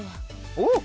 おっ！